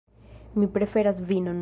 Mi preferas vinon.